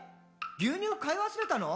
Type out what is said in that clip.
牛乳買い忘れたの？」